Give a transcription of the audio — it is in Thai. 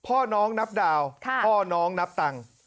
พ่อน้องนับดาวพ่อน้องนับตังค์